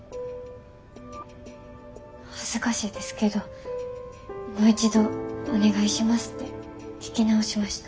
恥ずかしいですけどもう一度お願いしますって聞き直しました。